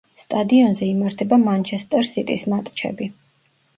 სტადიონზე იმართება მანჩესტერ სიტის მატჩები.